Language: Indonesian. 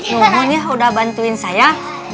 ngomongnya udah bantuin saya